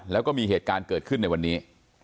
แล้วก็มีเหตุการณ์เกิดขึ้นในวันนี้